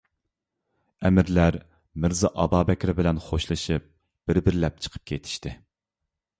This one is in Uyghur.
ئەمىرلەر مىرزا ئابابەكرى بىلەن خوشلىشىپ بىر-بىرلەپ چىقىپ كېتىشتى.